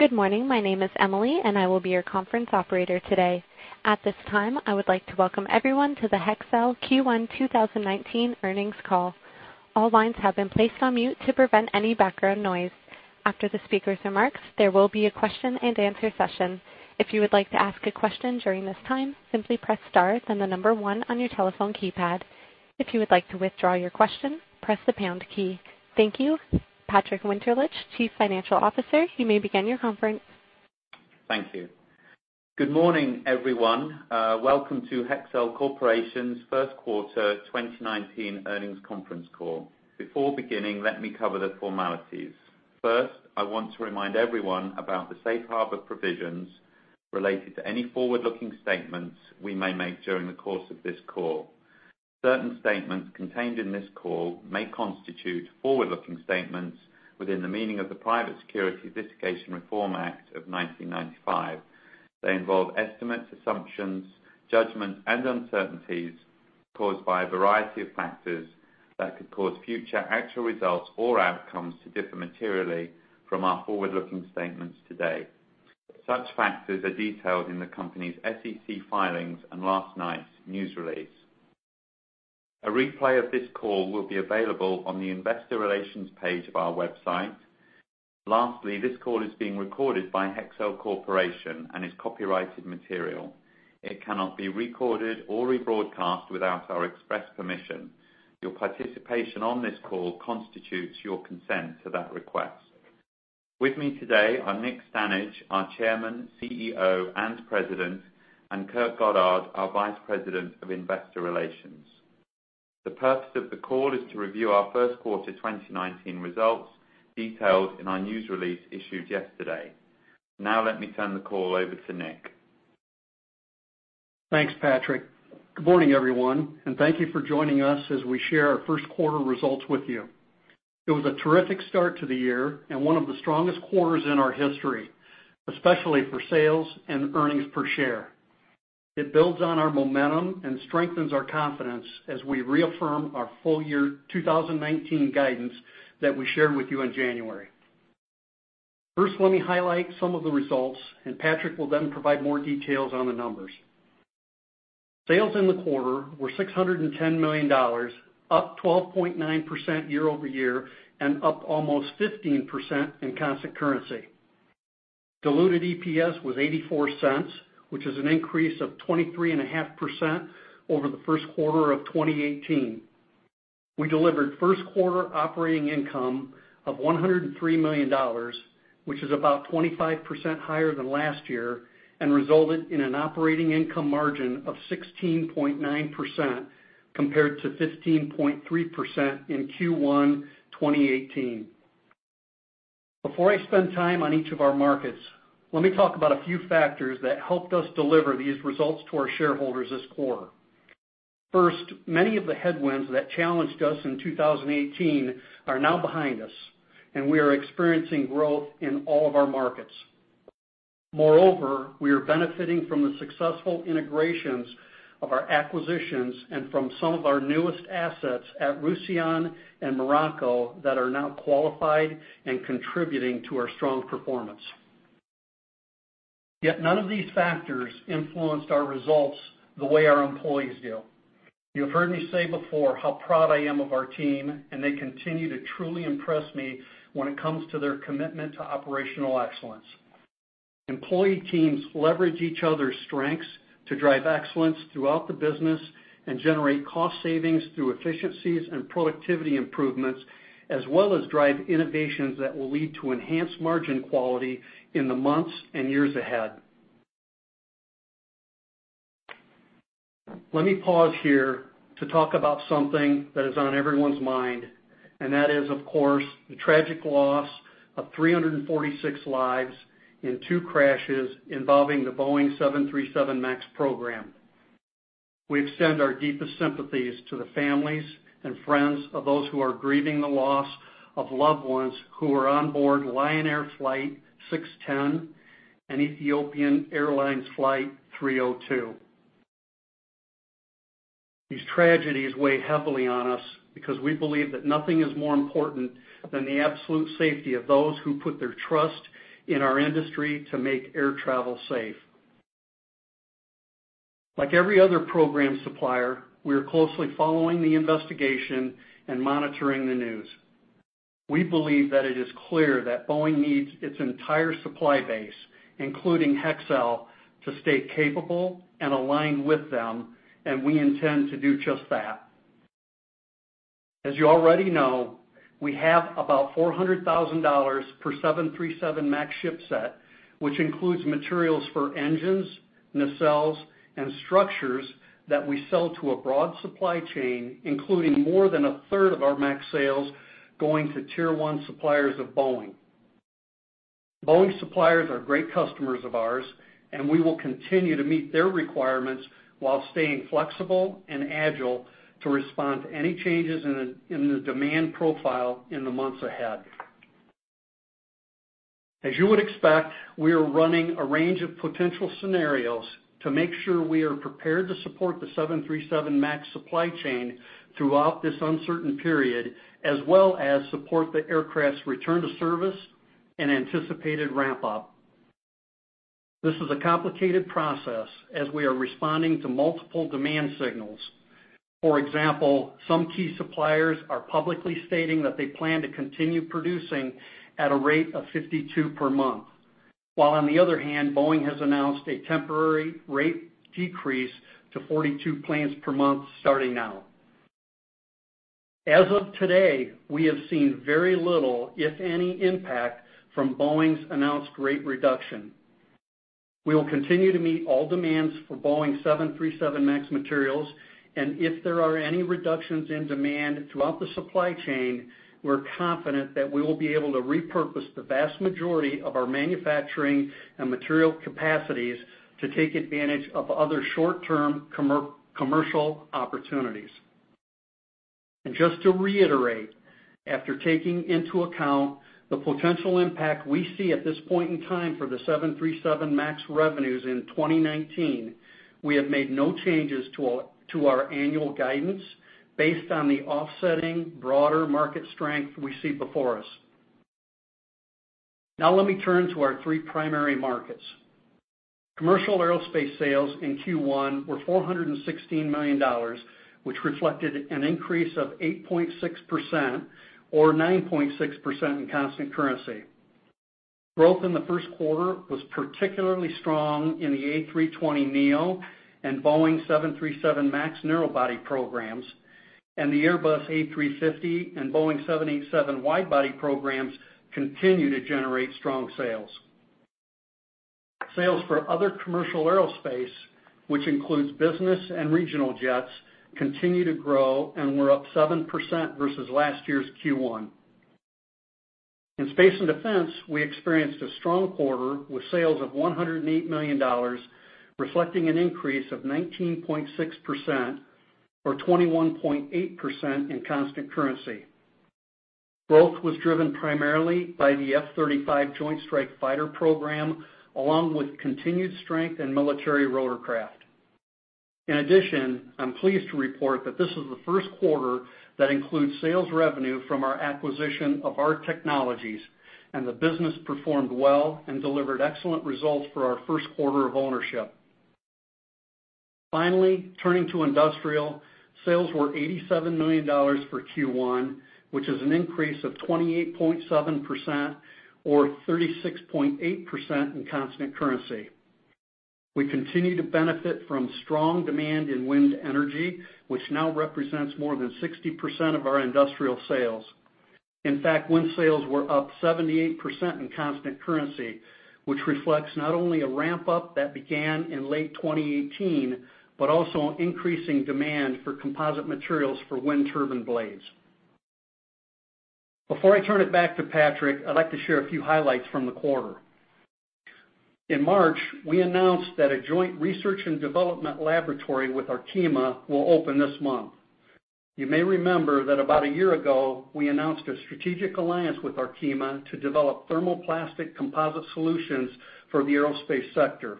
Good morning. My name is Emily, and I will be your conference operator today. At this time, I would like to welcome everyone to the Hexcel Q1 2019 earnings call. All lines have been placed on mute to prevent any background noise. After the speaker's remarks, there will be a question and answer session. If you would like to ask a question during this time, simply press star, then the number one on your telephone keypad. If you would like to withdraw your question, press the pound key. Thank you. Patrick Winterlich, Chief Financial Officer, you may begin your conference. Thank you. Good morning, everyone. Welcome to Hexcel Corporation's first quarter 2019 earnings conference call. Before beginning, let me cover the formalities. First, I want to remind everyone about the safe harbor provisions related to any forward-looking statements we may make during the course of this call. Certain statements contained in this call may constitute forward-looking statements within the meaning of the Private Securities Litigation Reform Act of 1995. They involve estimates, assumptions, judgments, and uncertainties caused by a variety of factors that could cause future actual results or outcomes to differ materially from our forward-looking statements today. Such factors are detailed in the company's SEC filings and last night's news release. A replay of this call will be available on the investor relations page of our website. Lastly, this call is being recorded by Hexcel Corporation and is copyrighted material. It cannot be recorded or rebroadcast without our express permission. Your participation on this call constitutes your consent to that request. With me today are Nick Stanage, our Chairman, CEO, and President, and Kurt Goddard, our Vice President of Investor Relations. The purpose of the call is to review our first quarter 2019 results detailed in our news release issued yesterday. Let me turn the call over to Nick. Thanks, Patrick. Good morning, everyone, and thank you for joining us as we share our first quarter results with you. It was a terrific start to the year and one of the strongest quarters in our history, especially for sales and earnings per share. It builds on our momentum and strengthens our confidence as we reaffirm our full year 2019 guidance that we shared with you in January. First, let me highlight some of the results, and Patrick will then provide more details on the numbers. Sales in the quarter were $610 million, up 12.9% year-over-year and up almost 15% in constant currency. Diluted EPS was $0.84, which is an increase of 23.5% over the first quarter of 2018. We delivered first quarter operating income of $103 million, which is about 25% higher than last year and resulted in an operating income margin of 16.9% compared to 15.3% in Q1 2018. Before I spend time on each of our markets, let me talk about a few factors that helped us deliver these results to our shareholders this quarter. First, many of the headwinds that challenged us in 2018 are now behind us. We are experiencing growth in all of our markets. Moreover, we are benefiting from the successful integrations of our acquisitions and from some of our newest assets at Roussillon and Morocco that are now qualified and contributing to our strong performance. Yet none of these factors influenced our results the way our employees do. You have heard me say before how proud I am of our team. They continue to truly impress me when it comes to their commitment to operational excellence. Employee teams leverage each other's strengths to drive excellence throughout the business and generate cost savings through efficiencies and productivity improvements, as well as drive innovations that will lead to enhanced margin quality in the months and years ahead. Let me pause here to talk about something that is on everyone's mind. That is, of course, the tragic loss of 346 lives in two crashes involving the Boeing 737 MAX program. We extend our deepest sympathies to the families and friends of those who are grieving the loss of loved ones who were on board Lion Air Flight 610 and Ethiopian Airlines Flight 302. These tragedies weigh heavily on us because we believe that nothing is more important than the absolute safety of those who put their trust in our industry to make air travel safe. Like every other program supplier, we are closely following the investigation and monitoring the news. We believe that it is clear that Boeing needs its entire supply base, including Hexcel, to stay capable and aligned with them. We intend to do just that. As you already know, we have about $400,000 per 737 MAX ship set, which includes materials for engines, nacelles, and structures that we sell to a broad supply chain, including more than a third of our MAX sales going to tier 1 suppliers of Boeing. Boeing suppliers are great customers of ours. We will continue to meet their requirements while staying flexible and agile to respond to any changes in the demand profile in the months ahead. As you would expect, we are running a range of potential scenarios to make sure we are prepared to support the 737 MAX supply chain throughout this uncertain period, as well as support the aircraft's return to service and anticipated ramp-up. This is a complicated process, as we are responding to multiple demand signals. For example, some key suppliers are publicly stating that they plan to continue producing at a rate of 52 per month. While on the other hand, Boeing has announced a temporary rate decrease to 42 planes per month starting now. As of today, we have seen very little, if any, impact from Boeing's announced rate reduction. We will continue to meet all demands for Boeing 737 MAX materials. If there are any reductions in demand throughout the supply chain, we're confident that we will be able to repurpose the vast majority of our manufacturing and material capacities to take advantage of other short-term commercial opportunities. Just to reiterate, after taking into account the potential impact we see at this point in time for the 737 MAX revenues in 2019, we have made no changes to our annual guidance based on the offsetting broader market strength we see before us. Let me turn to our three primary markets. Commercial aerospace sales in Q1 were $416 million, which reflected an increase of 8.6%, or 9.6% in constant currency. Growth in the first quarter was particularly strong in the A320neo and Boeing 737 MAX narrow body programs. The Airbus A350 and Boeing 787 wide body programs continue to generate strong sales. Sales for other commercial aerospace, which includes business and regional jets, continue to grow and were up 7% versus last year's Q1. In space and defense, we experienced a strong quarter with sales of $108 million, reflecting an increase of 19.6%, or 21.8% in constant currency. Growth was driven primarily by the F-35 Joint Strike Fighter program, along with continued strength in military rotorcraft. In addition, I'm pleased to report that this is the first quarter that includes sales revenue from our acquisition of ARC Technologies. The business performed well and delivered excellent results for our first quarter of ownership. Turning to industrial, sales were $87 million for Q1, which is an increase of 28.7%, or 36.8% in constant currency. We continue to benefit from strong demand in wind energy, which now represents more than 60% of our industrial sales. In fact, wind sales were up 78% in constant currency, which reflects not only a ramp-up that began in late 2018, but also increasing demand for composite materials for wind turbine blades. Before I turn it back to Patrick, I'd like to share a few highlights from the quarter. In March, we announced that a joint research and development laboratory with Arkema will open this month. You may remember that about a year ago, we announced a strategic alliance with Arkema to develop thermoplastic composite solutions for the aerospace sector.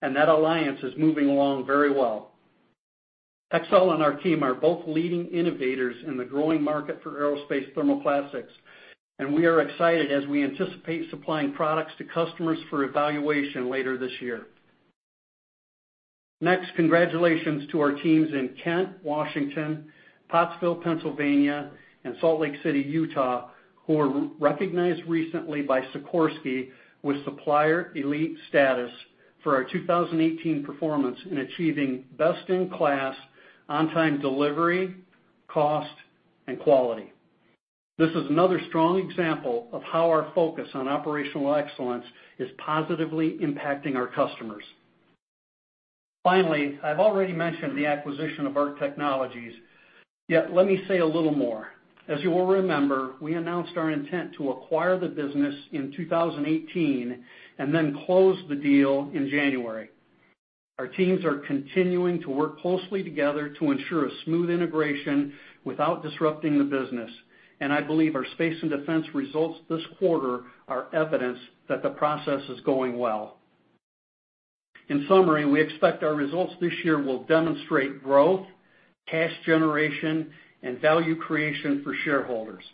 That alliance is moving along very well. Hexcel and Arkema are both leading innovators in the growing market for aerospace thermoplastics. We are excited as we anticipate supplying products to customers for evaluation later this year. Congratulations to our teams in Kent, Washington, Pottsville, Pennsylvania, and Salt Lake City, Utah, who were recognized recently by Sikorsky with Supplier Elite status for our 2018 performance in achieving best-in-class on-time delivery, cost, and quality. This is another strong example of how our focus on operational excellence is positively impacting our customers. I've already mentioned the acquisition of ARC Technologies. Let me say a little more. As you all remember, we announced our intent to acquire the business in 2018. Then closed the deal in January. Our teams are continuing to work closely together to ensure a smooth integration without disrupting the business. I believe our space and defense results this quarter are evidence that the process is going well. In summary, we expect our results this year will demonstrate growth, cash generation, and value creation for shareholders.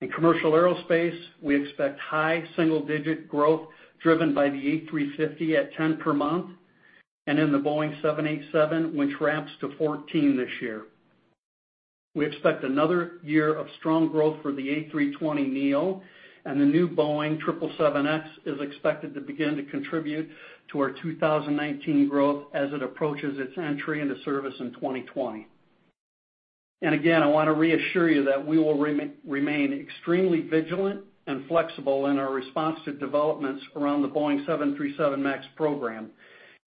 In commercial aerospace, we expect high single-digit growth driven by the A350 at 10 per month, and in the Boeing 787, which ramps to 14 this year. We expect another year of strong growth for the A320neo, and the new Boeing 777X is expected to begin to contribute to our 2019 growth as it approaches its entry into service in 2020. Again, I want to reassure you that we will remain extremely vigilant and flexible in our response to developments around the Boeing 737 MAX program,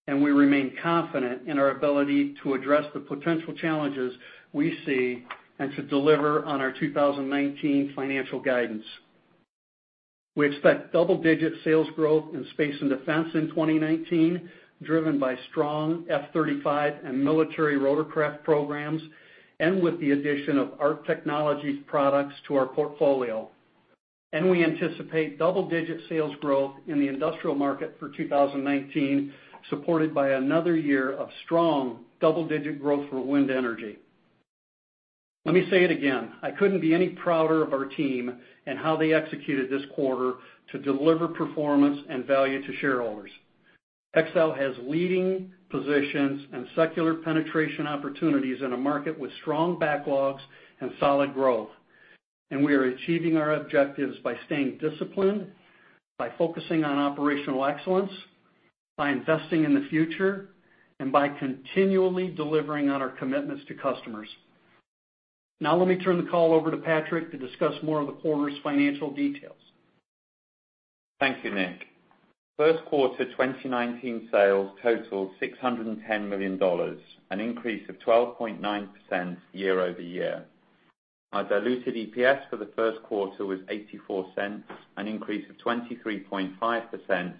and we remain confident in our ability to address the potential challenges we see and to deliver on our 2019 financial guidance. We expect double-digit sales growth in space and defense in 2019, driven by strong F-35 and military rotorcraft programs, and with the addition of ARC Technologies products to our portfolio. We anticipate double-digit sales growth in the industrial market for 2019, supported by another year of strong double-digit growth for wind energy. Let me say it again, I couldn't be any prouder of our team and how they executed this quarter to deliver performance and value to shareholders. Hexcel has leading positions and secular penetration opportunities in a market with strong backlogs and solid growth. We are achieving our objectives by staying disciplined, by focusing on operational excellence, by investing in the future, and by continually delivering on our commitments to customers. Now, let me turn the call over to Patrick to discuss more of the quarter's financial details. Thank you, Nick. First quarter 2019 sales totaled $610 million, an increase of 12.9% year-over-year. Our diluted EPS for the first quarter was $0.84, an increase of 23.5%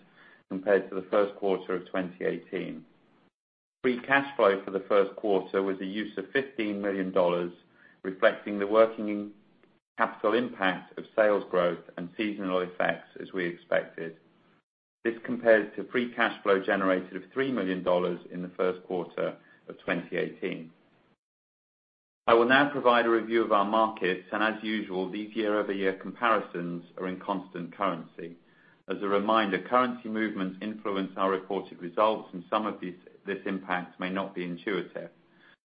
compared to the first quarter of 2018. Free cash flow for the first quarter was a use of $15 million, reflecting the working capital impact of sales growth and seasonal effects as we expected. This compares to free cash flow generated of $3 million in the first quarter of 2018. I will now provide a review of our markets, and as usual, these year-over-year comparisons are in constant currency. As a reminder, currency movements influence our reported results, and some of this impact may not be intuitive.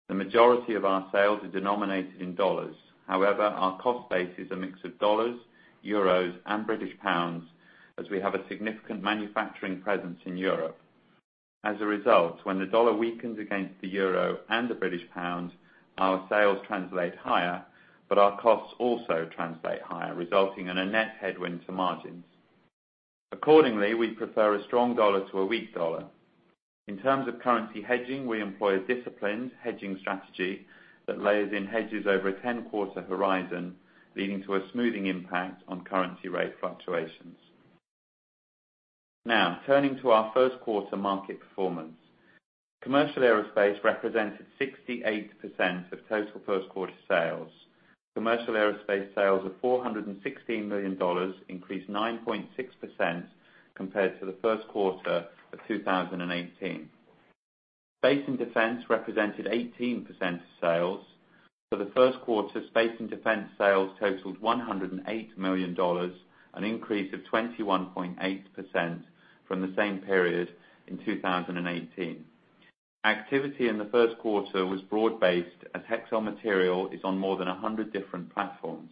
The majority of our sales are denominated in dollars. However, our cost base is a mix of dollars, euros, and British pounds, as we have a significant manufacturing presence in Europe. As a result, when the dollar weakens against the euro and the British pound, our sales translate higher, but our costs also translate higher, resulting in a net headwind to margins. Accordingly, we prefer a strong dollar to a weak dollar. In terms of currency hedging, we employ a disciplined hedging strategy that layers in hedges over a 10-quarter horizon, leading to a smoothing impact on currency rate fluctuations. Now, turning to our first quarter market performance. Commercial aerospace represented 68% of total first quarter sales. Commercial aerospace sales of $416 million increased 9.6% compared to the first quarter of 2018. Space and defense represented 18% of sales. For the first quarter, space and defense sales totaled $108 million, an increase of 21.8% from the same period in 2018. Activity in the first quarter was broad-based, as Hexcel material is on more than 100 different platforms.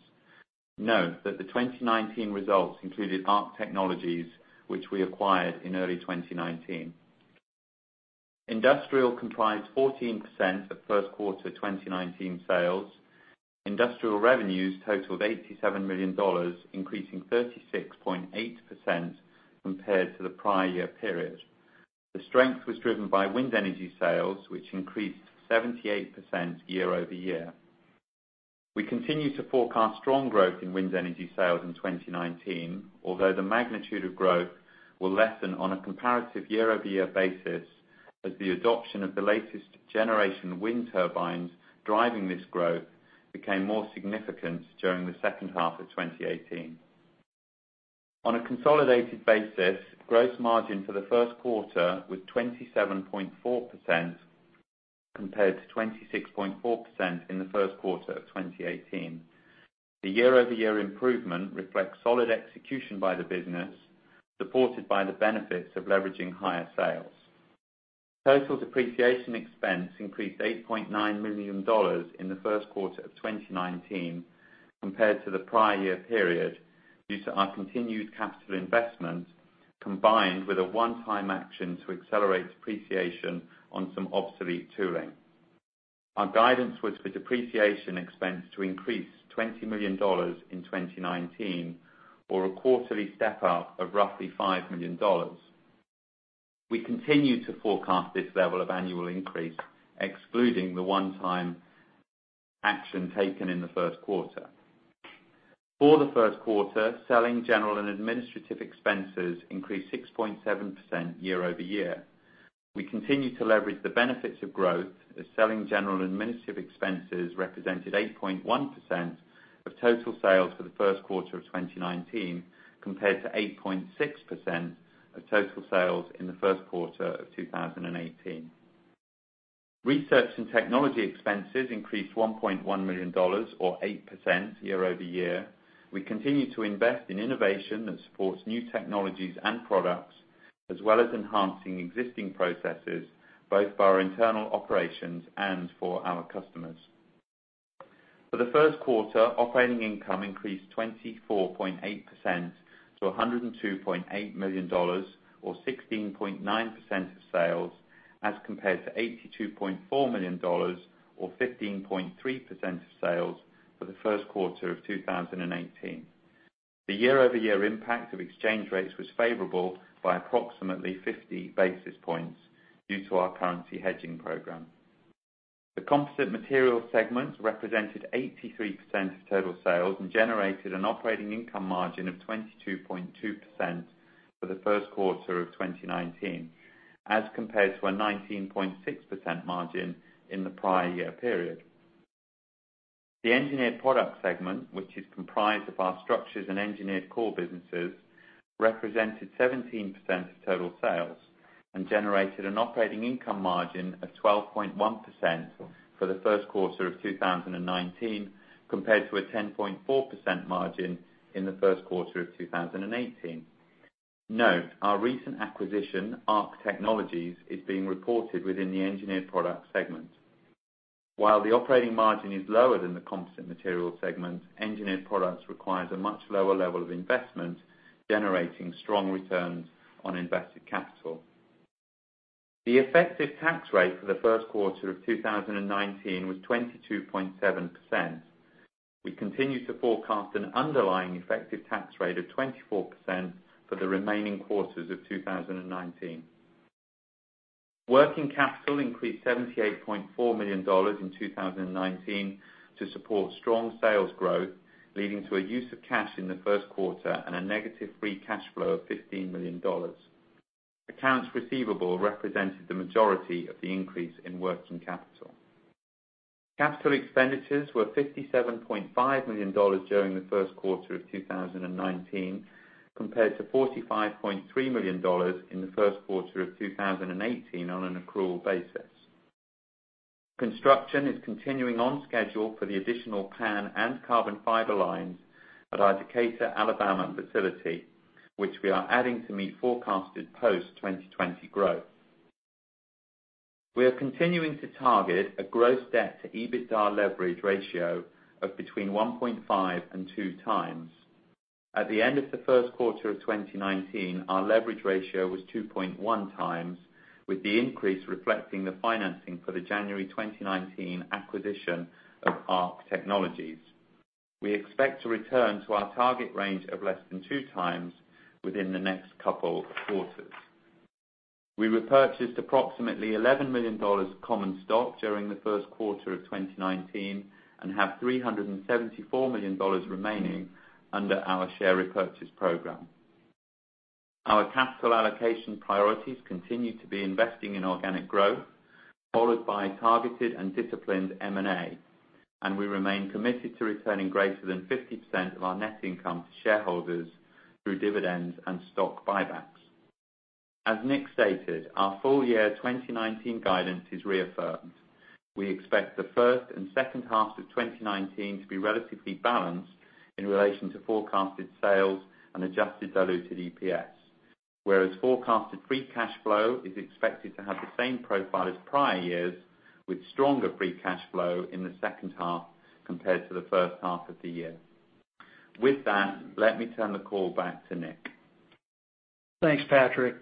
Note that the 2019 results included ARC Technologies, which we acquired in early 2019. Industrial comprised 14% of first quarter 2019 sales. Industrial revenues totaled $87 million, increasing 36.8% compared to the prior year period. The strength was driven by wind energy sales, which increased 78% year-over-year. We continue to forecast strong growth in wind energy sales in 2019, although the magnitude of growth will lessen on a comparative year-over-year basis as the adoption of the latest generation wind turbines driving this growth became more significant during the second half of 2018. On a consolidated basis, gross margin for the first quarter was 27.4% compared to 26.4% in the first quarter of 2018. The year-over-year improvement reflects solid execution by the business, supported by the benefits of leveraging higher sales. Total depreciation expense increased $8.9 million in the first quarter of 2019 compared to the prior year period due to our continued capital investment, combined with a one-time action to accelerate depreciation on some obsolete tooling. Our guidance was for depreciation expense to increase $20 million in 2019 or a quarterly step-up of roughly $5 million. We continue to forecast this level of annual increase, excluding the one-time action taken in the first quarter. For the first quarter, selling, general, and administrative expenses increased 6.7% year-over-year. We continue to leverage the benefits of growth as selling, general, and administrative expenses represented 8.1% of total sales for the first quarter of 2019, compared to 8.6% of total sales in the first quarter of 2018. Research and technology expenses increased $1.1 million, or 8%, year-over-year. We continue to invest in innovation that supports new technologies and products, as well as enhancing existing processes, both for our internal operations and for our customers. For the first quarter, operating income increased 24.8% to $102.8 million, or 16.9% of sales, as compared to $82.4 million, or 15.3% of sales for the first quarter of 2018. The year-over-year impact of exchange rates was favorable by approximately 50 basis points due to our currency hedging program. The Composite Materials segment represented 83% of total sales and generated an operating income margin of 22.2% for the first quarter of 2019 as compared to a 19.6% margin in the prior year period. The Engineered Products segment, which is comprised of our structures and engineered core businesses, represented 17% of total sales. Generated an operating income margin of 12.1% for the first quarter of 2019, compared to a 10.4% margin in the first quarter of 2018. Note, our recent acquisition, ARC Technologies, is being reported within the Engineered Products segment. While the operating margin is lower than the Composite Materials segment, engineered products requires a much lower level of investment, generating strong returns on invested capital. The effective tax rate for the first quarter of 2019 was 22.7%. We continue to forecast an underlying effective tax rate of 24% for the remaining quarters of 2019. Working capital increased $78.4 million in 2019 to support strong sales growth, leading to a use of cash in the first quarter and a negative free cash flow of $15 million. Accounts receivable represented the majority of the increase in working capital. Capital expenditures were $57.5 million during the first quarter of 2019, compared to $45.3 million in the first quarter of 2018 on an accrual basis. Construction is continuing on schedule for the additional PAN and carbon fiber lines at our Decatur, Alabama facility, which we are adding to meet forecasted post-2020 growth. We are continuing to target a gross debt-to-EBITDA leverage ratio of between 1.5 and two times. At the end of the first quarter of 2019, our leverage ratio was 2.1 times, with the increase reflecting the financing for the January 2019 acquisition of ARC Technologies. We expect to return to our target range of less than two times within the next couple of quarters. We repurchased approximately $11 million of common stock during the first quarter of 2019 and have $374 million remaining under our share repurchase program. Our capital allocation priorities continue to be investing in organic growth, followed by targeted and disciplined M&A. We remain committed to returning greater than 50% of our net income to shareholders through dividends and stock buybacks. As Nick stated, our full year 2019 guidance is reaffirmed. We expect the first and second half of 2019 to be relatively balanced in relation to forecasted sales and adjusted diluted EPS. Whereas forecasted free cash flow is expected to have the same profile as prior years, with stronger free cash flow in the second half compared to the first half of the year. With that, let me turn the call back to Nick. Thanks, Patrick.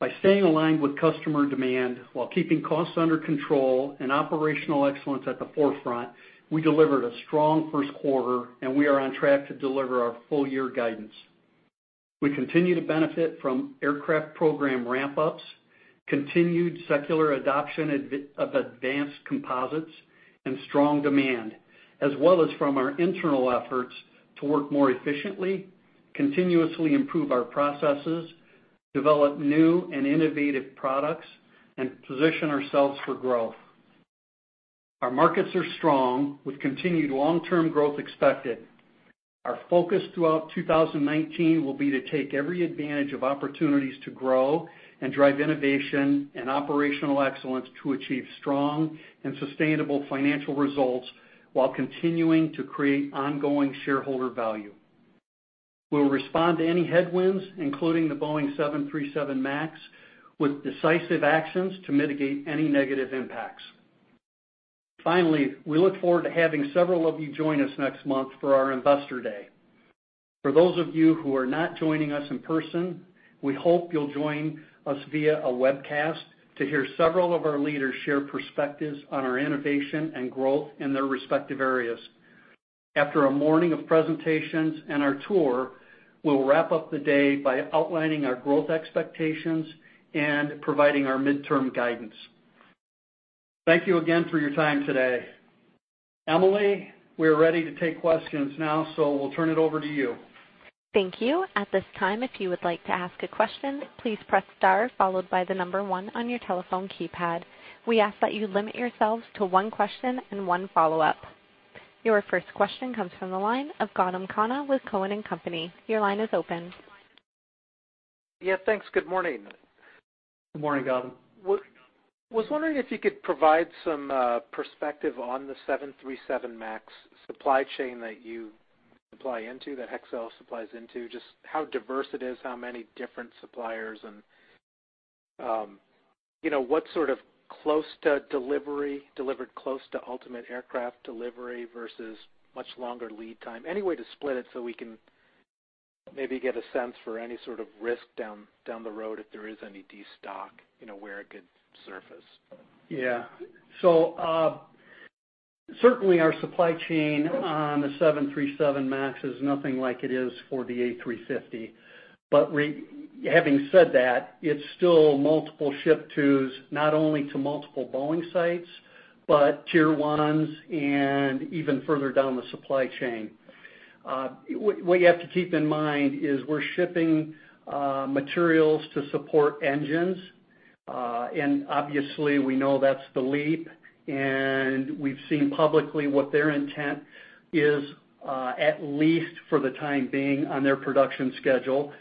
By staying aligned with customer demand while keeping costs under control and operational excellence at the forefront, we delivered a strong first quarter. We are on track to deliver our full year guidance. We continue to benefit from aircraft program ramp-ups, continued secular adoption of advanced composites, and strong demand, as well as from our internal efforts to work more efficiently, continuously improve our processes, develop new and innovative products, and position ourselves for growth. Our markets are strong, with continued long-term growth expected. Our focus throughout 2019 will be to take every advantage of opportunities to grow and drive innovation and operational excellence to achieve strong and sustainable financial results, while continuing to create ongoing shareholder value. We will respond to any headwinds, including the Boeing 737 MAX, with decisive actions to mitigate any negative impacts. Finally, we look forward to having several of you join us next month for our investor day. For those of you who are not joining us in person, we hope you'll join us via a webcast to hear several of our leaders share perspectives on our innovation and growth in their respective areas. After a morning of presentations and our tour, we'll wrap up the day by outlining our growth expectations and providing our midterm guidance. Thank you again for your time today. Emily, we are ready to take questions now. We'll turn it over to you. Thank you. At this time, if you would like to ask a question, please press star followed by the number one on your telephone keypad. We ask that you limit yourselves to one question and one follow-up. Your first question comes from the line of Gautam Khanna with Cowen and Company. Your line is open. Yeah, thanks. Good morning. Good morning, Gautam. was wondering if you could provide some perspective on the 737 MAX supply chain that you supply into, that Hexcel supplies into, just how diverse it is, how many different suppliers, and what sort of delivered close to ultimate aircraft delivery versus much longer lead time. Any way to split it so we can maybe get a sense for any sort of risk down the road if there is any destock, where it could surface. Yeah. Certainly our supply chain on the 737 MAX is nothing like it is for the A350. Having said that, it's still multiple ship-to's, not only to multiple Boeing sites, but tier 1s and even further down the supply chain. What you have to keep in mind is we're shipping materials to support engines. Obviously, we know that's the leap, and we've seen publicly what their intent is, at least for the time being, on their production schedule.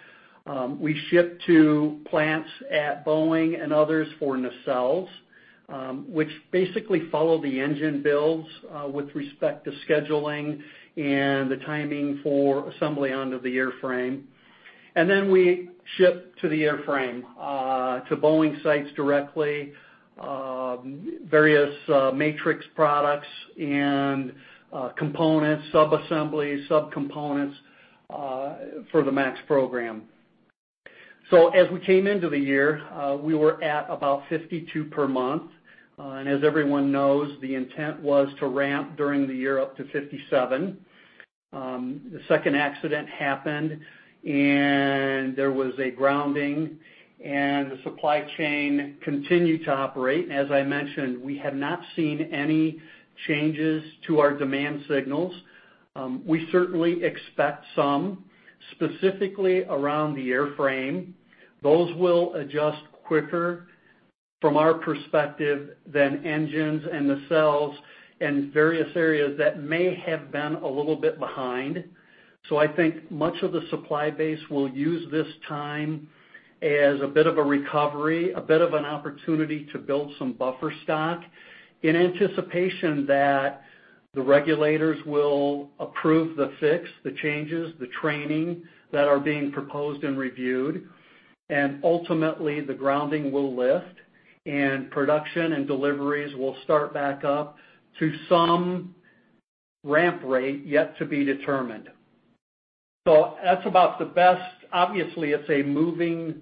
We ship to plants at Boeing and others for nacelles, which basically follow the engine builds, with respect to scheduling and the timing for assembly onto the airframe. Then we ship to the airframe, to Boeing sites directly, various matrix products and components, sub-assemblies, sub-components, for the MAX program. As we came into the year, we were at about 52 per month. As everyone knows, the intent was to ramp during the year up to 57. The second accident happened, there was a grounding, and the supply chain continued to operate. As I mentioned, we have not seen any changes to our demand signals. We certainly expect some, specifically around the airframe. Those will adjust quicker from our perspective than engines and nacelles and various areas that may have been a little bit behind. I think much of the supply base will use this time as a bit of a recovery, a bit of an opportunity to build some buffer stock in anticipation that the regulators will approve the fix, the changes, the training that are being proposed and reviewed. Ultimately, the grounding will lift, and production and deliveries will start back up to some ramp rate yet to be determined. That's about the best. Obviously, it's a moving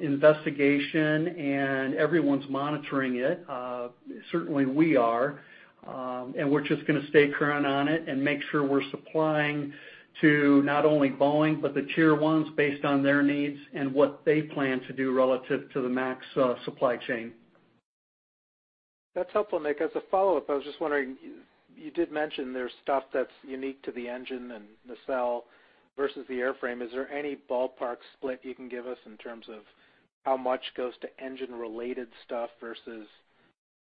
investigation, and everyone's monitoring it. Certainly, we are. We're just going to stay current on it and make sure we're supplying to not only Boeing, but the tier 1s based on their needs and what they plan to do relative to the MAX supply chain. That's helpful, Nick. As a follow-up, I was just wondering, you did mention there's stuff that's unique to the engine and nacelle versus the airframe. Is there any ballpark split you can give us in terms of how much goes to engine-related stuff versus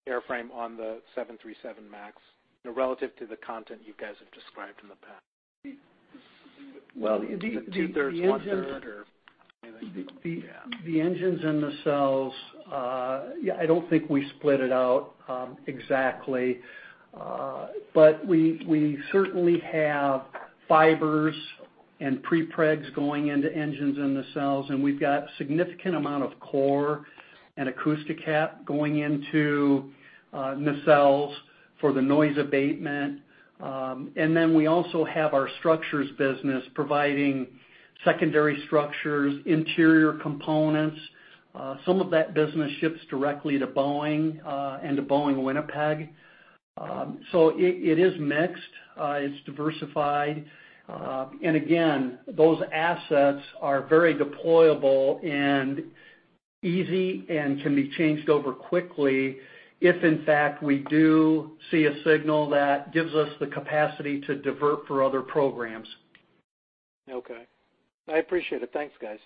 airframe on the 737 MAX, relative to the content you guys have described in the past? Well- Two-thirds, one-third, or anything? Yeah. The engines and nacelles, I don't think we split it out exactly. We certainly have fibers and prepregs going into engines and nacelles, and we've got significant amount of core and Acousti-Cap going into nacelles for the noise abatement. Then we also have our structures business providing secondary structures, interior components. Some of that business ships directly to Boeing and to Boeing Winnipeg. It is mixed. It's diversified. Again, those assets are very deployable and easy and can be changed over quickly if, in fact, we do see a signal that gives us the capacity to divert for other programs. Okay. I appreciate it. Thanks, guys.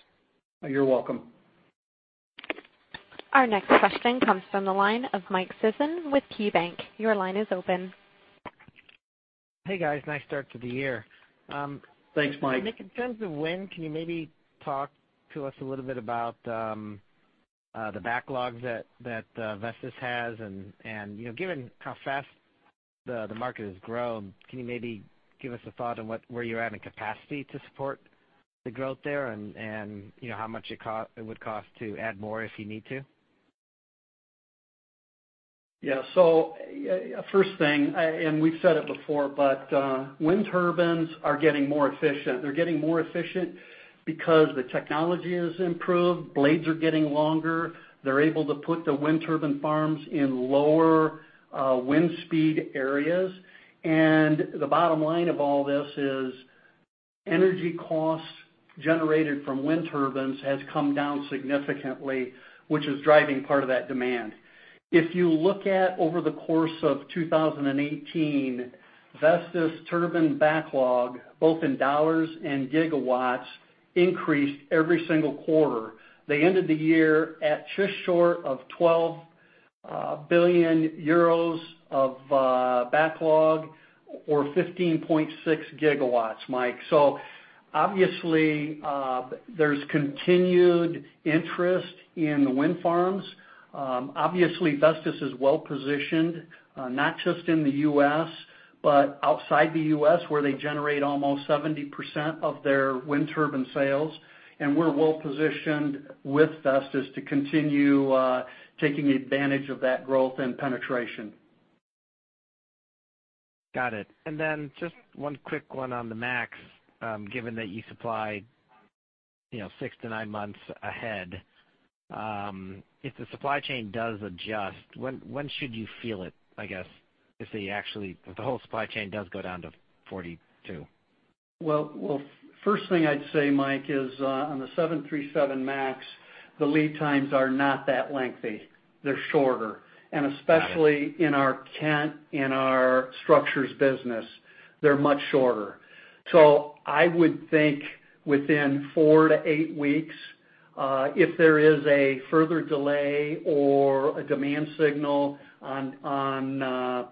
You're welcome. Our next question comes from the line of Mike Sison with KeyBank. Your line is open. Hey, guys. Nice start to the year. Thanks, Mike. Nick, in terms of wind, can you maybe talk to us a little bit about the backlogs that Vestas has? Given how fast the market has grown, can you maybe give us a thought on where you're adding capacity to support the growth there and how much it would cost to add more if you need to? Yeah. First thing, we've said it before, but wind turbines are getting more efficient. They're getting more efficient because the technology has improved. Blades are getting longer. They're able to put the wind turbine farms in lower wind speed areas. The bottom line of all this is energy costs generated from wind turbines has come down significantly, which is driving part of that demand. If you look at over the course of 2018, Vestas turbine backlog, both in $ and gigawatts, increased every single quarter. They ended the year at just short of €12 billion of backlog or 15.6 gigawatts, Mike. Obviously, there's continued interest in wind farms. Obviously, Vestas is well-positioned, not just in the U.S., but outside the U.S., where they generate almost 70% of their wind turbine sales. We're well-positioned with Vestas to continue taking advantage of that growth and penetration. Got it. Just one quick one on the MAX, given that you supply 6-9 months ahead. If the supply chain does adjust, when should you feel it, I guess, if the whole supply chain does go down to 42? First thing I'd say, Mike, is on the 737 MAX, the lead times are not that lengthy. They're shorter. Especially in our Kent, in our structures business, they're much shorter. I would think within 4-8 weeks. If there is a further delay or a demand signal on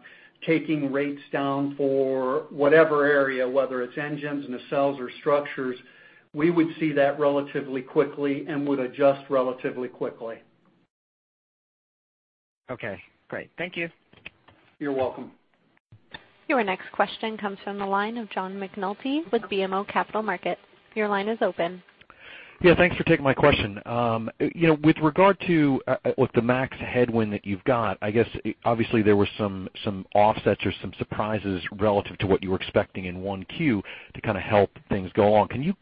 taking rates down for whatever area, whether it's engines, nacelles, or structures, we would see that relatively quickly and would adjust relatively quickly. Okay, great. Thank you. You're welcome. Your next question comes from the line of John McNulty with BMO Capital Markets. Your line is open. Thanks for taking my question. With regard to the MAX headwind that you've got, I guess, obviously, there were some offsets or some surprises relative to what you were expecting in 1Q to help things go along. Can you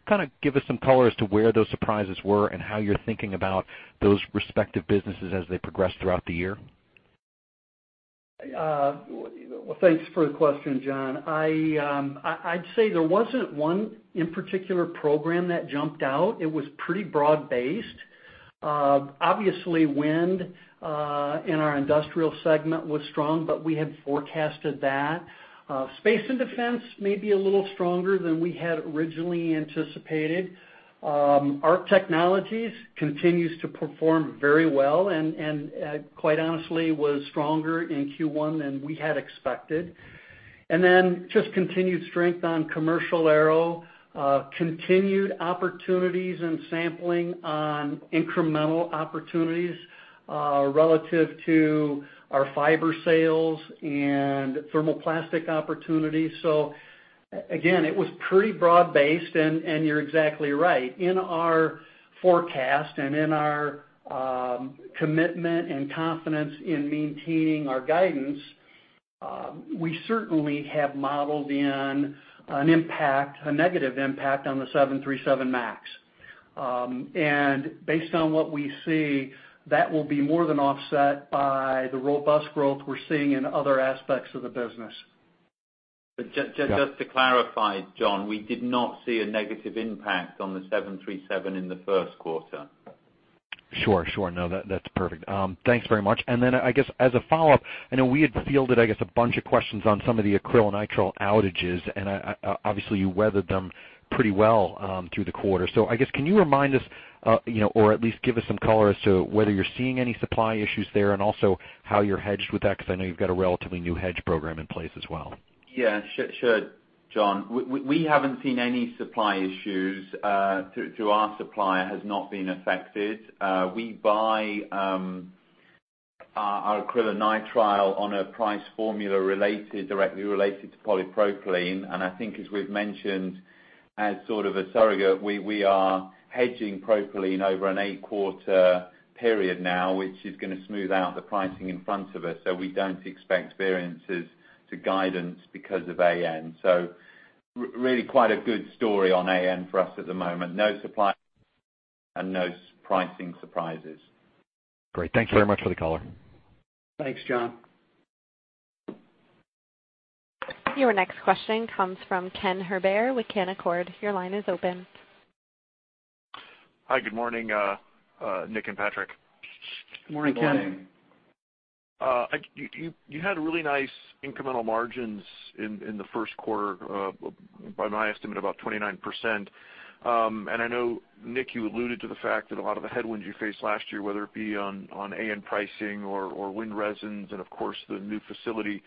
give us some color as to where those surprises were and how you're thinking about those respective businesses as they progress throughout the year? Thanks for the question, John. I'd say there wasn't one particular program that jumped out. It was pretty broad-based. Obviously, wind in our industrial segment was strong, but we had forecasted that. Space and defense may be a little stronger than we had originally anticipated. ARC Technologies continues to perform very well and, quite honestly, was stronger in Q1 than we had expected. Just continued strength on commercial aero, continued opportunities and sampling on incremental opportunities relative to our fiber sales and thermoplastic opportunities. Again, it was pretty broad-based, and you're exactly right. In our forecast and in our commitment and confidence in maintaining our guidance, we certainly have modeled in a negative impact on the 737 MAX. Based on what we see, that will be more than offset by the robust growth we're seeing in other aspects of the business. Just to clarify, John, we did not see a negative impact on the 737 in the first quarter. Sure. No, that's perfect. Thanks very much. Then I guess as a follow-up, I know we had fielded, I guess, a bunch of questions on some of the acrylonitrile outages, and obviously, you weathered them pretty well through the quarter. I guess, can you remind us or at least give us some color as to whether you're seeing any supply issues there and also how you're hedged with that? Because I know you've got a relatively new hedge program in place as well. Yeah, sure, John. We haven't seen any supply issues. Our supplier has not been affected. We buy our acrylonitrile on a price formula directly related to propylene, and I think as we've mentioned, as sort of a surrogate, we are hedging propylene over an eight-quarter period now, which is going to smooth out the pricing in front of us. We don't expect variances to guidance because of AN. Really quite a good story on AN for us at the moment. No supply and no pricing surprises. Great. Thank you very much for the color. Thanks, John. Your next question comes from Ken Herbert with Canaccord. Your line is open. Hi, good morning, Nick and Patrick. Good morning, Ken. Good morning. I know, Nick, you alluded to the fact that a lot of the headwinds you faced last year, whether it be on AN pricing or wind resins and of course, the new facility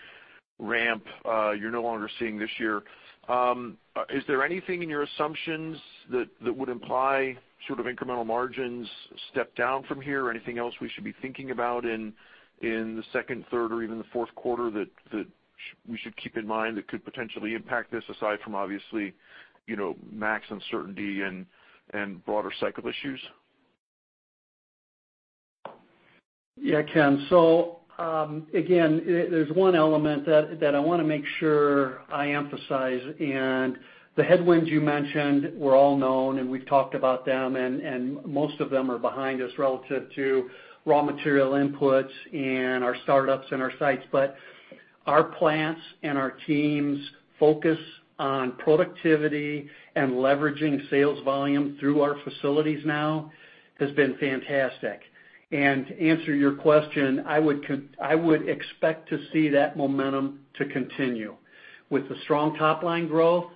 ramp, you're no longer seeing this year. You had really nice incremental margins in the first quarter, by my estimate, about 29%. Is there anything in your assumptions that would imply sort of incremental margins step down from here or anything else we should be thinking about in the second, third, or even the fourth quarter that we should keep in mind that could potentially impact this, aside from obviously, MAX uncertainty and broader cycle issues? Yeah, Ken. Again, there's one element that I want to make sure I emphasize. The headwinds you mentioned were all known, and we've talked about them, and most of them are behind us relative to raw material inputs and our startups and our sites. Our plants and our teams' focus on productivity and leveraging sales volume through our facilities now has been fantastic. To answer your question, I would expect to see that momentum to continue. With the strong top-line growth,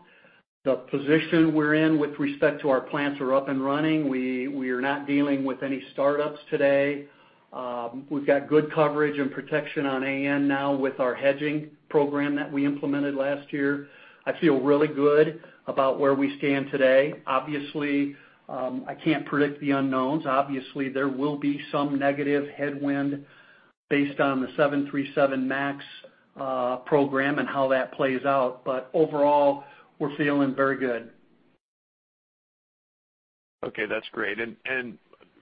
the position we're in with respect to our plants are up and running. We are not dealing with any startups today. We've got good coverage and protection on AN now with our hedging program that we implemented last year. I feel really good about where we stand today. Obviously, I can't predict the unknowns. Obviously, there will be some negative headwind based on the 737 MAX program and how that plays out, overall, we're feeling very good. Okay, that's great.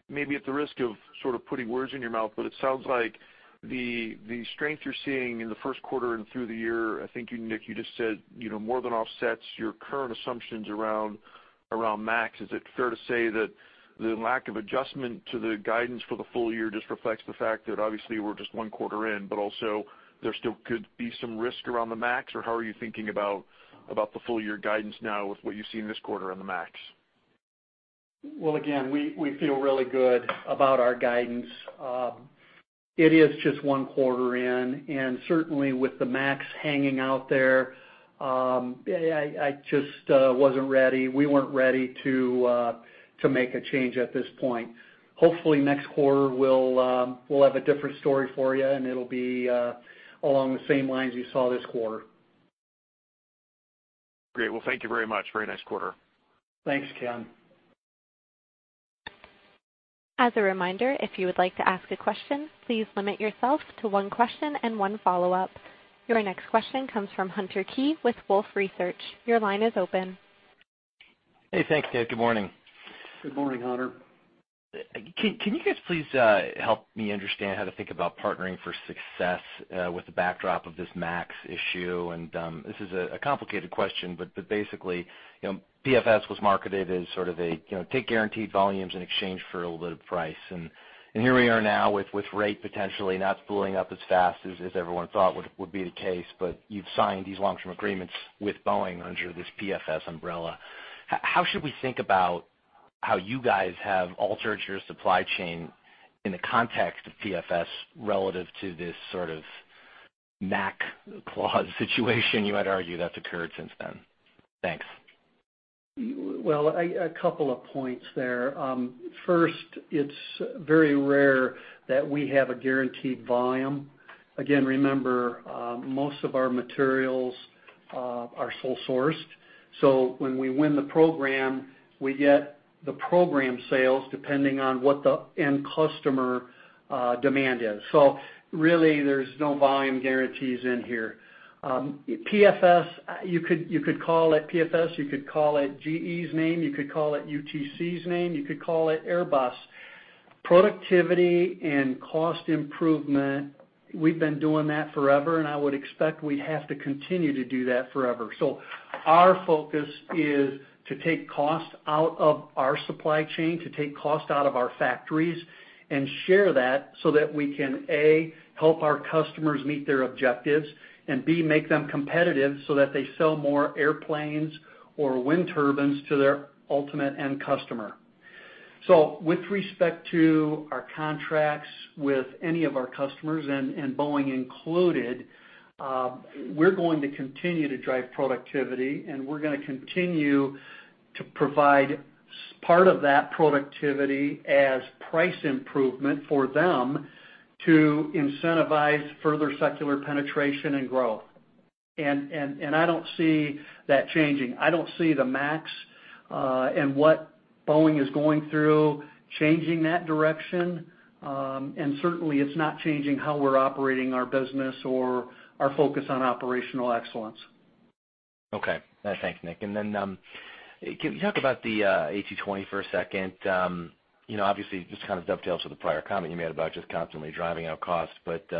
Maybe at the risk of sort of putting words in your mouth, but it sounds like the strength you're seeing in the first quarter and through the year, I think, Nick, you just said more than offsets your current assumptions around MAX. Is it fair to say that the lack of adjustment to the guidance for the full year just reflects the fact that obviously we're just one quarter in, but also there still could be some risk around the MAX? How are you thinking about the full year guidance now with what you've seen this quarter on the MAX? Well, again, we feel really good about our guidance. It is just one quarter in, and certainly with the Max hanging out there, I just wasn't ready. We weren't ready to make a change at this point. Hopefully next quarter, we'll have a different story for you, and it'll be along the same lines you saw this quarter. Great. Well, thank you very much. Very nice quarter. Thanks, Ken. As a reminder, if you would like to ask a question, please limit yourself to one question and one follow-up. Your next question comes from Hunter Keay with Wolfe Research. Your line is open. Hey, thanks, Nick. Good morning. Good morning, Hunter. Can you guys please help me understand how to think about Partnering for Success with the backdrop of this MAX issue? This is a complicated question, but basically, PFS was marketed as sort of a take guaranteed volumes in exchange for a little bit of price. Here we are now with rate potentially not spooling up as fast as everyone thought would be the case, but you've signed these long-term agreements with Boeing under this PFS umbrella. How should we think about how you guys have altered your supply chain in the context of PFS relative to this sort of MAC clause situation you might argue that's occurred since then? Thanks. Well, a couple of points there. First, it's very rare that we have a guaranteed volume. Again, remember, most of our materials are sole sourced. When we win the program, we get the program sales depending on what the end customer demand is. Really, there's no volume guarantees in here. PFS, you could call it PFS, you could call it GE's name, you could call it UTC's name, you could call it Airbus. Productivity and cost improvement, we've been doing that forever, and I would expect we have to continue to do that forever. Our focus is to take cost out of our supply chain, to take cost out of our factories and share that so that we can, A, help our customers meet their objectives, and B, make them competitive so that they sell more airplanes or wind turbines to their ultimate end customer. With respect to our contracts with any of our customers, and Boeing included, we're going to continue to drive productivity, and we're going to continue to provide part of that productivity as price improvement for them to incentivize further secular penetration and growth. I don't see that changing. I don't see the Max, and what Boeing is going through, changing that direction. Certainly, it's not changing how we're operating our business or our focus on operational excellence. Okay. Thanks, Nick. Can you talk about the A220 for a second? Obviously, this kind of dovetails with the prior comment you made about just constantly driving out costs. Can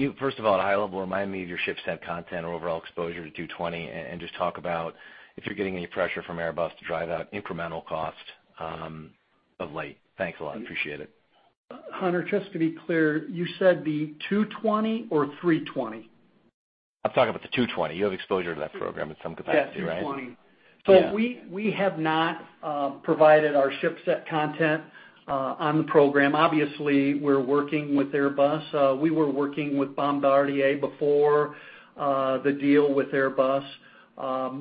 you first of all, at a high level, remind me of your ship set content or overall exposure to 220, and just talk about if you're getting any pressure from Airbus to drive out incremental cost of late. Thanks a lot. Appreciate it. Hunter, just to be clear, you said the 220 or 320? I'm talking about the A220. You have exposure to that program in some capacity, right? Yes, A220. Yeah. We have not provided our ship set content on the program. Obviously, we're working with Airbus. We were working with Bombardier before the deal with Airbus.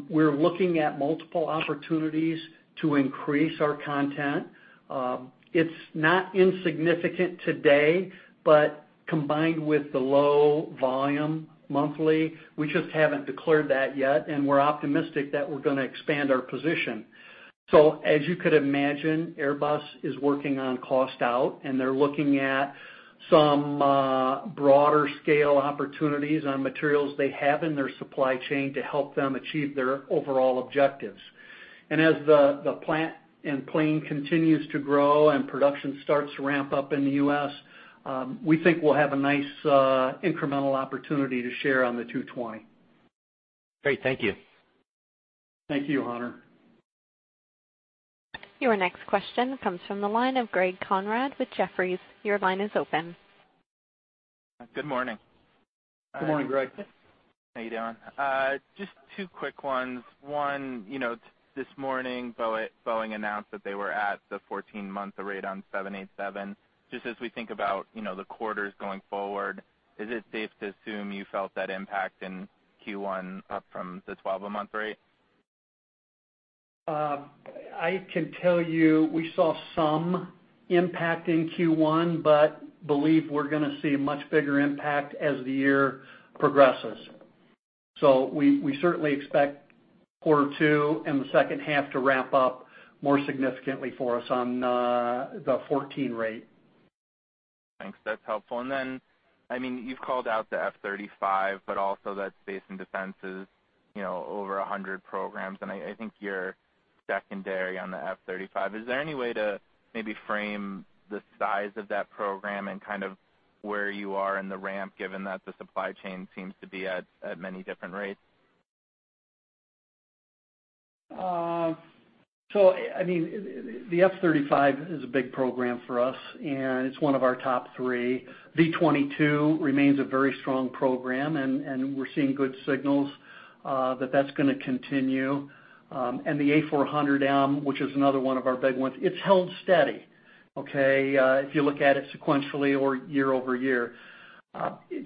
We're looking at multiple opportunities to increase our content. It's not insignificant today, but combined with the low volume monthly, we just haven't declared that yet, and we're optimistic that we're going to expand our position. As you could imagine, Airbus is working on cost out, and they're looking at some broader scale opportunities on materials they have in their supply chain to help them achieve their overall objectives. As the plant and plane continues to grow and production starts to ramp up in the U.S., we think we'll have a nice incremental opportunity to share on the A220. Great. Thank you. Thank you, Hunter. Your next question comes from the line of Greg Konrad with Jefferies. Your line is open. Good morning. Good morning, Greg. How you doing? Just two quick ones. One, this morning, Boeing announced that they were at the 14-month rate on 787. Just as we think about the quarters going forward, is it safe to assume you felt that impact in Q1 up from the 12-a-month rate? I can tell you we saw some impact in Q1, but believe we're going to see a much bigger impact as the year progresses. We certainly expect quarter two and the second half to ramp up more significantly for us on the 14 rate. Thanks. That's helpful. You've called out the F-35, but also that Space and Defense is over 100 programs, and I think you're secondary on the F-35. Is there any way to maybe frame the size of that program and kind of where you are in the ramp, given that the supply chain seems to be at many different rates? The F-35 is a big program for us, and it's one of our top three. The V-22 remains a very strong program, and we're seeing good signals that that's going to continue. The A400M, which is another one of our big ones, it's held steady. If you look at it sequentially or year-over-year.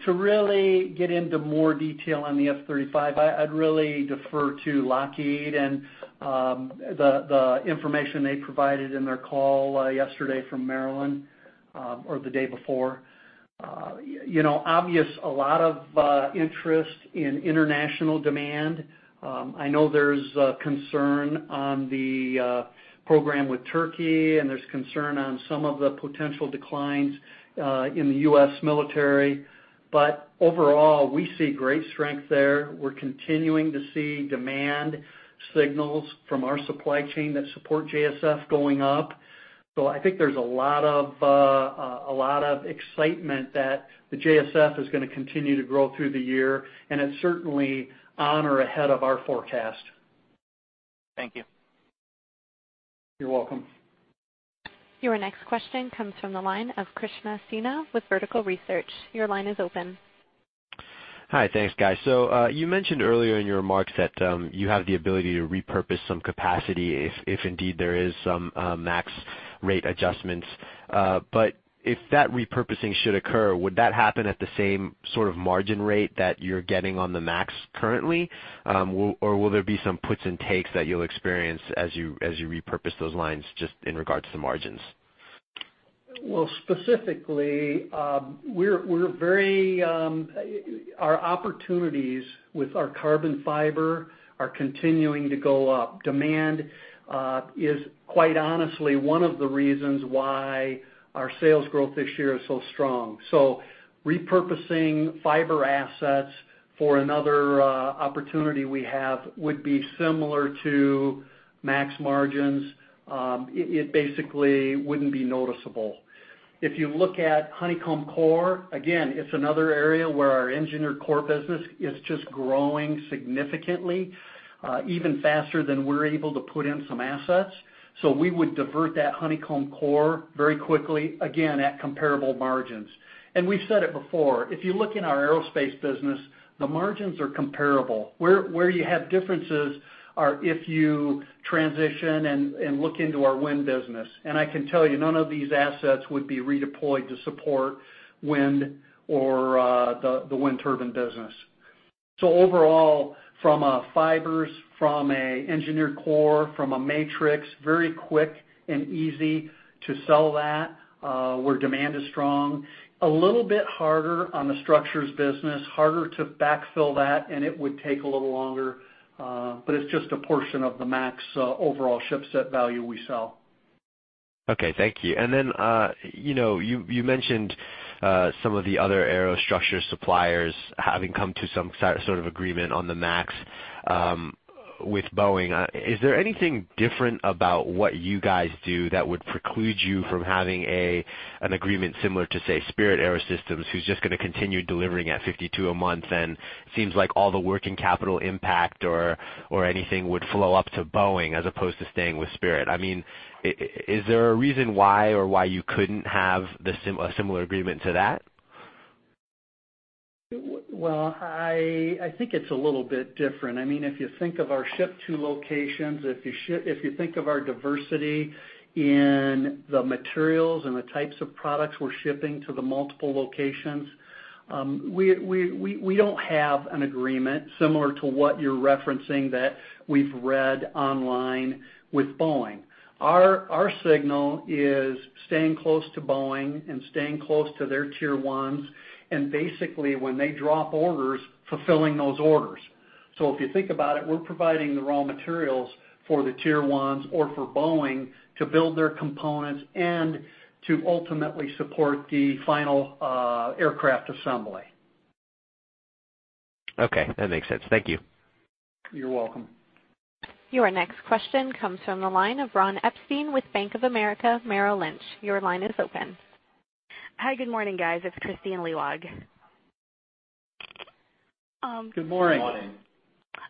To really get into more detail on the F-35, I'd really defer to Lockheed and the information they provided in their call yesterday from Maryland, or the day before. Obvious, a lot of interest in international demand. I know there's concern on the program with Turkey, and there's concern on some of the potential declines in the U.S. military. Overall, we see great strength there. We're continuing to see demand signals from our supply chain that support JSF going up. I think there's a lot of excitement that the JSF is going to continue to grow through the year, and it's certainly on or ahead of our forecast. Thank you. You're welcome. Your next question comes from the line of Krishna Sinha with Vertical Research. Your line is open. Hi. Thanks, guys. You mentioned earlier in your remarks that you have the ability to repurpose some capacity if indeed there is some MAX rate adjustments. If that repurposing should occur, would that happen at the same sort of margin rate that you're getting on the MAX currently? Or will there be some puts and takes that you'll experience as you repurpose those lines, just in regards to the margins? Well, specifically, our opportunities with our carbon fiber are continuing to go up. Demand is, quite honestly, one of the reasons why our sales growth this year is so strong. Repurposing fiber assets for another opportunity we have would be similar to MAX margins. It basically wouldn't be noticeable. If you look at honeycomb core, again, it's another area where our engineered core business is just growing significantly, even faster than we're able to put in some assets. We would divert that honeycomb core very quickly, again, at comparable margins. We've said it before, if you look in our aerospace business, the margins are comparable. Where you have differences are if you transition and look into our wind business. I can tell you, none of these assets would be redeployed to support wind or the wind turbine business. Overall, from a fibers, from a engineered core, from a matrix, very quick and easy to sell that, where demand is strong. A little bit harder on the structures business, harder to backfill that, and it would take a little longer. It's just a portion of the MAX overall ship set value we sell. Okay, thank you. You mentioned some of the other aerostructure suppliers having come to some sort of agreement on the MAX with Boeing. Is there anything different about what you guys do that would preclude you from having an agreement similar to, say, Spirit AeroSystems, who's just going to continue delivering at 52 a month, and seems like all the working capital impact or anything would flow up to Boeing as opposed to staying with Spirit. Is there a reason why or why you couldn't have a similar agreement to that? Well, I think it's a little bit different. If you think of our ship to locations, if you think of our diversity in the materials and the types of products we're shipping to the multiple locations, we don't have an agreement similar to what you're referencing that we've read online with Boeing. Our signal is staying close to Boeing and staying close to their tier 1s, and basically, when they drop orders, fulfilling those orders. If you think about it, we're providing the raw materials for the tier 1s or for Boeing to build their components and to ultimately support the final aircraft assembly. Okay. That makes sense. Thank you. You're welcome. Your next question comes from the line of Ron Epstein with Bank of America Merrill Lynch. Your line is open. Hi. Good morning, guys. It's Kristine Liwag. Good morning.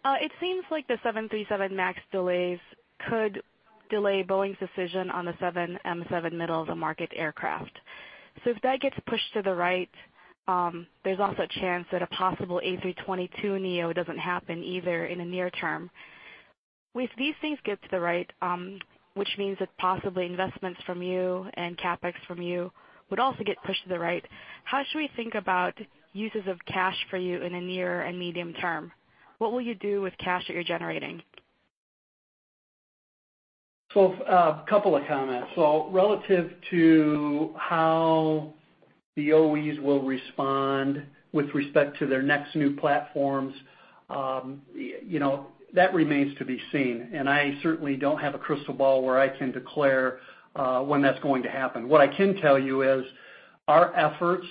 It seems like the 737 MAX delays could delay Boeing's decision on the NMA middle of the market aircraft. If that gets pushed to the right, there's also a chance that a possible A321neo doesn't happen either in the near term. If these things get to the right, which means that possibly investments from you and CapEx from you would also get pushed to the right, how should we think about uses of cash for you in the near and medium term? What will you do with cash that you're generating? A couple of comments. Relative to how the OEs will respond with respect to their next new platforms, that remains to be seen, and I certainly don't have a crystal ball where I can declare when that's going to happen. What I can tell you is, our efforts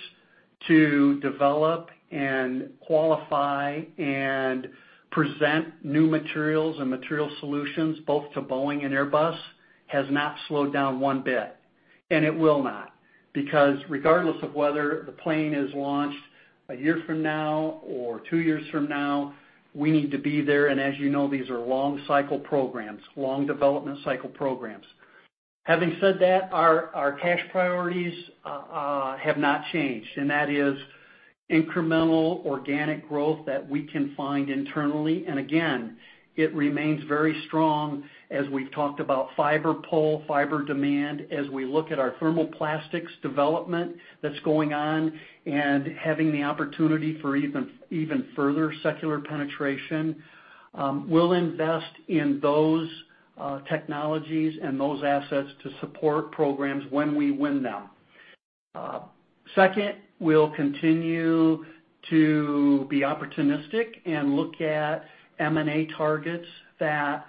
to develop and qualify and present new materials and material solutions both to Boeing and Airbus has not slowed down one bit, and it will not. Because regardless of whether the plane is launched a year from now or two years from now, we need to be there. As you know, these are long cycle programs, long development cycle programs. Having said that, our cash priorities have not changed, and that isIncremental organic growth that we can find internally. Again, it remains very strong as we've talked about fiber pull, fiber demand, as we look at our thermoplastics development that's going on, and having the opportunity for even further secular penetration. We'll invest in those technologies and those assets to support programs when we win them. Second, we'll continue to be opportunistic and look at M&A targets that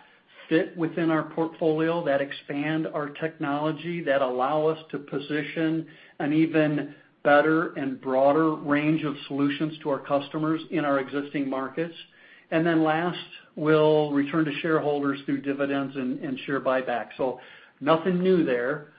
fit within our portfolio, that expand our technology, that allow us to position an even better and broader range of solutions to our customers in our existing markets. Last, we'll return to shareholders through dividends and share buybacks. Nothing new there.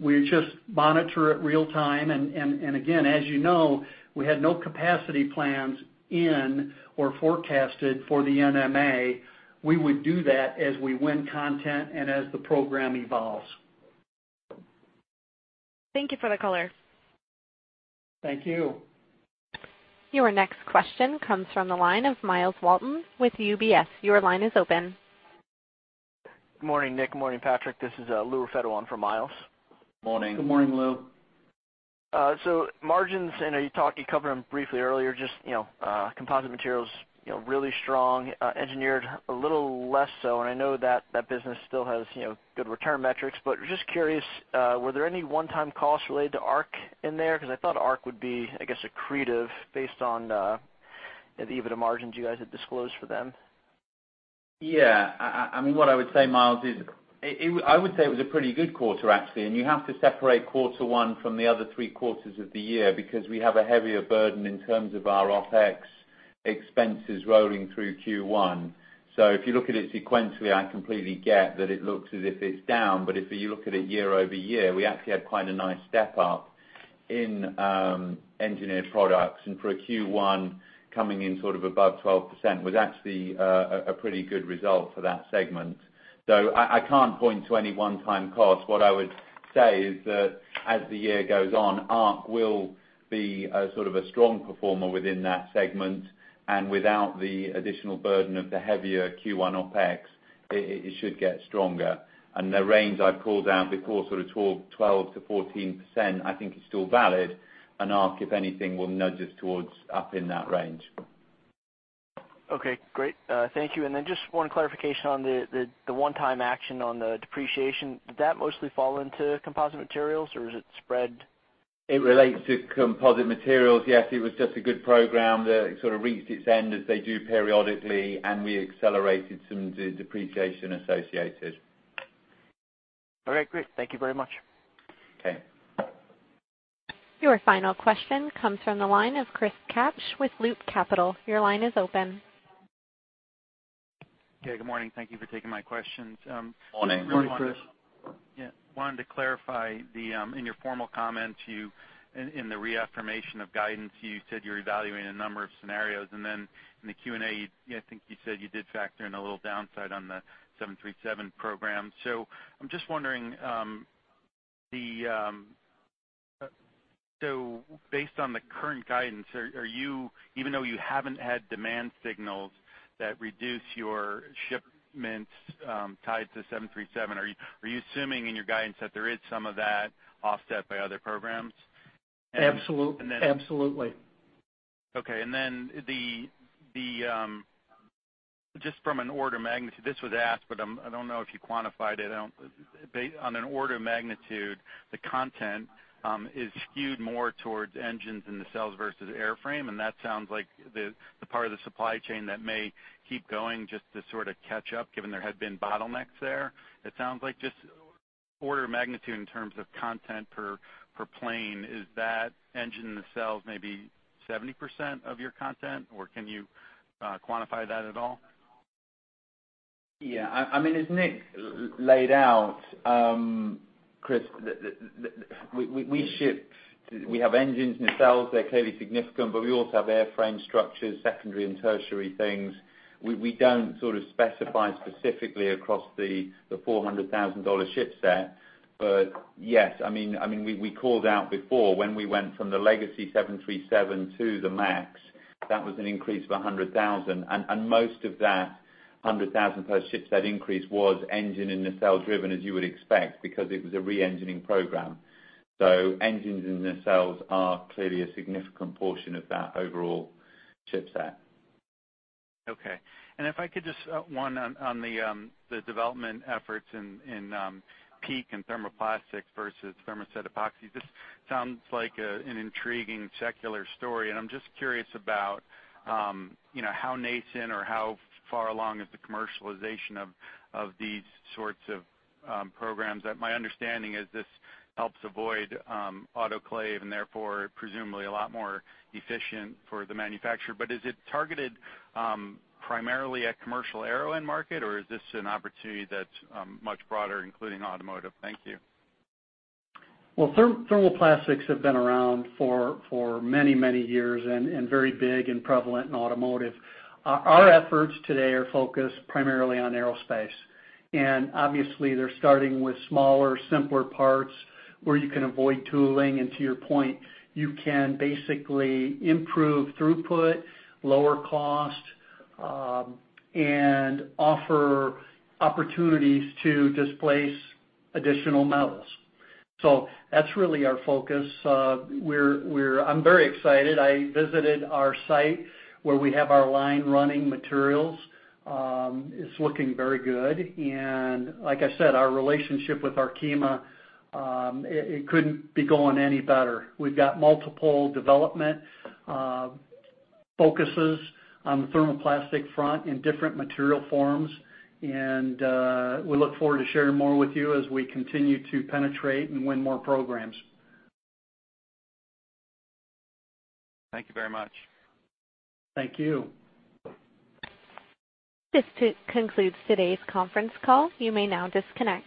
We just monitor it real-time. Again, as you know, we had no capacity plans in or forecasted for the NMA. We would do that as we win content and as the program evolves. Thank you for the color. Thank you. Your next question comes from the line of Myles Walton with UBS. Your line is open. Good morning, Nick. Morning, Patrick. This is Louis Raffetto for Myles. Morning. Good morning, Lou. Margins, I know you covered them briefly earlier, just composite materials, really strong, Engineered Products a little less so. I know that that business still has good return metrics. Was just curious, were there any one-time costs related to ARC in there? Because I thought ARC would be, I guess, accretive based on the EBITDA margins you guys had disclosed for them. Yeah. What I would say, Myles, is I would say it was a pretty good quarter, actually. You have to separate quarter one from the other three quarters of the year because we have a heavier burden in terms of our OPEX expenses rolling through Q1. If you look at it sequentially, I completely get that it looks as if it's down. If you look at it year-over-year, we actually had quite a nice step up in Engineered Products. For a Q1 coming in sort of above 12% was actually a pretty good result for that segment. I can't point to any one-time cost. What I would say is that as the year goes on, ARC will be a strong performer within that segment. Without the additional burden of the heavier Q1 OPEX, it should get stronger. The range I've called out before, sort of 12%-14%, I think is still valid. ARC, if anything, will nudge us towards up in that range. Okay, great. Thank you. Then just one clarification on the one-time action on the depreciation. Did that mostly fall into composite materials, or was it spread? It relates to composite materials, yes. It was just a good program that sort of reached its end, as they do periodically, and we accelerated some of the depreciation associated. All right, great. Thank you very much. Okay. Your final question comes from the line of Chris Kapsch with Loop Capital. Your line is open. Okay, good morning. Thank you for taking my questions. Morning. Morning, Chris. Yeah. Wanted to clarify, in your formal comments, in the reaffirmation of guidance, you said you're evaluating a number of scenarios. Then in the Q&A, I think you said you did factor in a little downside on the 737 program. I'm just wondering, so based on the current guidance, even though you haven't had demand signals that reduce your shipments tied to 737, are you assuming in your guidance that there is some of that offset by other programs? Absolutely. Okay. Just from an order of magnitude, this was asked, but I don't know if you quantified it out. On an order of magnitude, the content is skewed more towards engines and nacelles versus airframe. That sounds like the part of the supply chain that may keep going just to sort of catch up, given there had been bottlenecks there. It sounds like just order of magnitude in terms of content per plane. Is that engine nacelles maybe 70% of your content, or can you quantify that at all? Yeah. As Nick laid out, Chris, we have engines, nacelles, they're clearly significant, but we also have airframe structures, secondary and tertiary things. We don't sort of specify specifically across the $400,000 ship set. Yes, we called out before when we went from the legacy 737 to the MAX, that was an increase of $100,000. Most of that $100,000 per ship set increase was engine and nacelle driven, as you would expect, because it was a re-engining program. Engines and nacelles are clearly a significant portion of that overall ship set. Okay. If I could just, one on the development efforts in PEEK and thermoplastics versus thermoset epoxy. This sounds like an intriguing secular story. I'm just curious about how nascent or how far along is the commercialization of these sorts of programs. My understanding is this helps avoid autoclave and therefore presumably a lot more efficient for the manufacturer. Is it targeted primarily at commercial aero end market, or is this an opportunity that's much broader, including automotive? Thank you. Well, thermoplastics have been around for many, many years and very big and prevalent in automotive. Our efforts today are focused primarily on aerospace. Obviously they're starting with smaller, simpler parts where you can avoid tooling. To your point, you can basically improve throughput, lower cost, and offer opportunities to displace additional metals. That's really our focus. I'm very excited. I visited our site where we have our line running materials. It's looking very good. Like I said, our relationship with Arkema, it couldn't be going any better. We've got multiple development focuses on the thermoplastic front in different material forms. We look forward to sharing more with you as we continue to penetrate and win more programs. Thank you very much. Thank you. This concludes today's conference call. You may now disconnect.